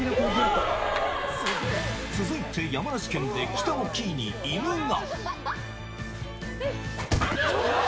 続いて山梨県で、北乃きいに犬が。